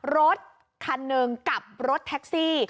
รถคันหนึ่งกับรถแท็กซี่